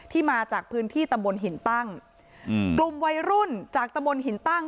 มาจากพื้นที่ตำบลหินตั้งอืมกลุ่มวัยรุ่นจากตำบลหินตั้ง